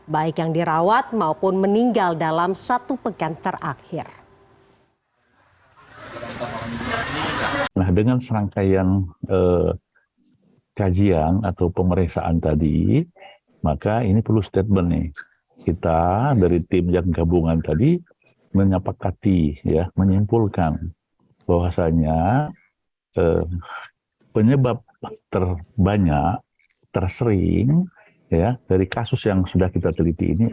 baik yang dirawat maupun meninggal dalam satu pekan terakhir